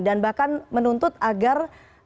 dan bahkan menuntut agar